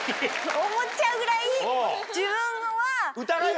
思っちゃうぐらい自分は行ったって。